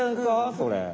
それ。